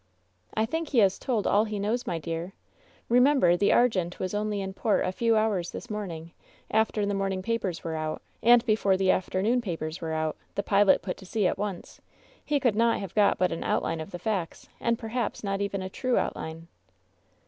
'' "I think he has told all he knows, my dearl Remem ber the Argents was only in port a few hours this morn ing, after the morning papers were out, and before the afternoon papers were out. The pilot put to sea at once. He could not have got but an outline of the facts, and perhaps not even a true outline."